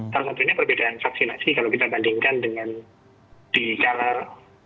salah satunya perbedaan vaksinasi kalau kita bandingkan dengan di color